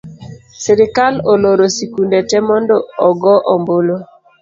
Sirikal oloro sikunde tee mondo ogoo ombulu